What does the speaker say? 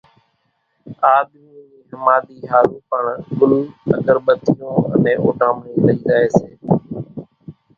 آۮمِي نِي ۿماۮِي ۿارُو پڻ ڳل، اڳر ٻتيون انين اوڍامڻي لئي زائي سي۔